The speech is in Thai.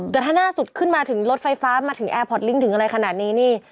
แต่ถ้าล่าสุดขึ้นมาถึงรถไฟฟ้ามาถึงแอร์พอร์ตลิงค์ถึงอะไรขนาดนี้นี่